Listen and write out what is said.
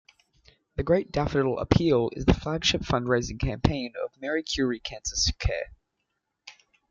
The Great Daffodil Appeal is the flagship fundraising campaign of Marie Curie Cancer Care.